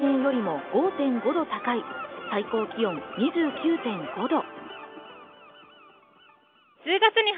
東京都心は平年よりも５．５度高い最高気温２９．５度。